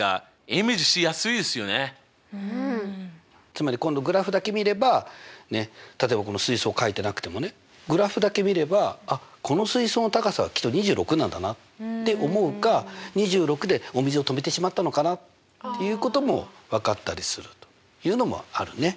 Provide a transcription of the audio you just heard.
つまり今度グラフだけ見れば例えばこの水槽描いてなくてもねグラフだけ見ればあっこの水槽の高さはきっと２６なんだなって思うか２６でお水を止めてしまったのかなっていうことも分かったりするというのもあるね。